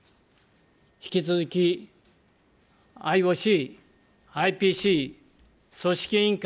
引き続き、ＩＯＣ、ＩＰＣ、組織委員会、